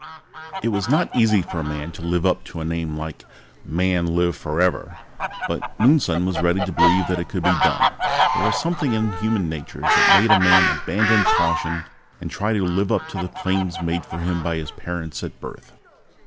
It was not easy for a man to live up to a name like Man, Live Forever! But Moonson was ready to believe that it could be done. There was something in human nature which made a man abandon caution and try to live up to the claims made for him by his parents at birth.